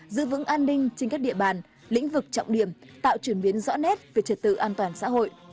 giữ vững an ninh trên các địa bàn lĩnh vực trọng điểm tạo chuyển biến rõ nét về trật tự an toàn xã hội